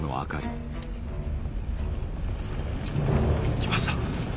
来ました。